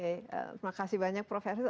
terima kasih banyak prof heri